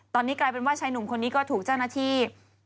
ตอนนี้กลายเป็นว่าชายหนุ่มคนนี้ก็ถูกเจ้าหน้าที่